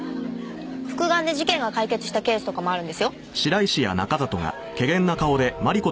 復顔で事件が解決したケースとかもあるんですよ。